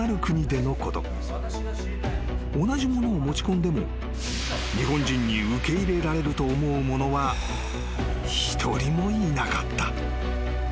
［同じものを持ち込んでも日本人に受け入れられると思う者は一人もいなかった］